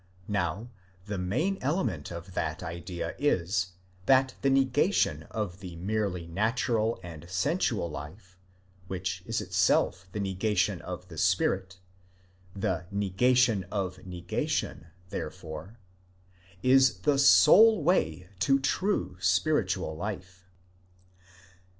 Now the main element of that idea is, that the negation of the merely natural and sensual life, which is itself the negation of the spirit (the negation of negation, therefore), is the sole way to true spiritual life.